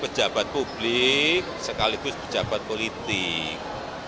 pejabat publik sekaligus pejabat politik